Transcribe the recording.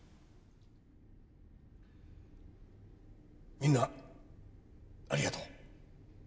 みんなありがとう。